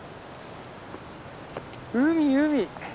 海海。